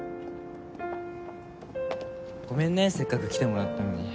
ごめんねせっかく来てもらったのに。